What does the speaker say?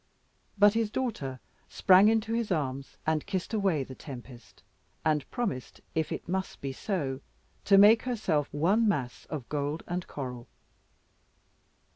But his daughter sprang into his arms and kissed away the tempest, and promised, if it must be so, to make herself one mass of gold and coral.